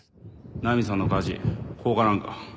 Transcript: ナミさんの火事放火なんか？